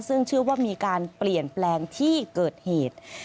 ซึ่งเชื่อว่ามีการเปลี่ยนแปลงที่เกิดเหตุ